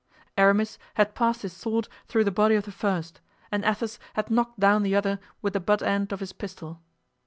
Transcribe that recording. Aramis had passed his sword through the body of the first and Athos had knocked down the other with the butt end of his pistol.